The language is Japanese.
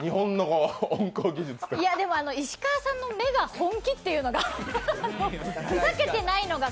石川さんの目が本気というのが。